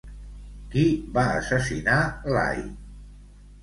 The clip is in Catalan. Qui va assassinar Lai?